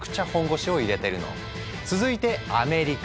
続いてアメリカ。